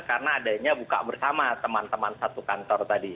karena adanya buka bersama teman teman satu kantor tadi